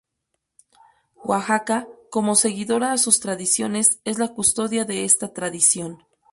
Oaxaca como seguidora a sus tradiciones es la custodia de esta tradición.